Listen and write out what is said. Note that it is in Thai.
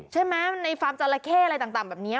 ใช่ไหมในฟาร์มจราเข้อะไรต่างแบบนี้